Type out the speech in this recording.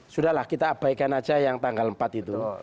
sudah lah kita abaikan aja yang tanggal empat itu